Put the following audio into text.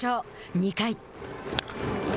２回。